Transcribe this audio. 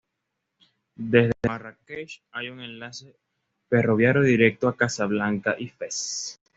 Desde Marrakech hay un enlace ferroviario directo a Casablanca y Fez.